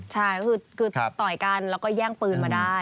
ใช่ก็คือต่อยกันแล้วก็แย่งปืนมาได้